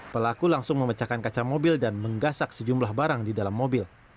pelaku langsung memecahkan kaca mobil dan menggasak sejumlah barang di dalam mobil